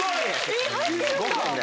えっ入ってるんだ。